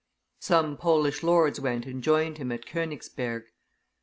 Some Polish lords went and joined him at Konigsberg.